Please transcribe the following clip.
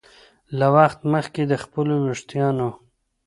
له وخت مخکې د خپلو ویښتانو